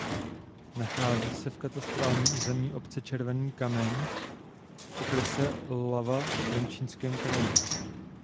Nachází se v katastrálním území obce Červený Kameň v okrese Ilava v Trenčínském kraji.